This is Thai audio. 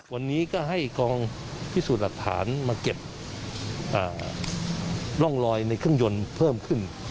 วันนี้ก็ให้กองพิสูจน์หลักฐานมาเก็บร่องรอยในเครื่องยนต์เพิ่มขึ้น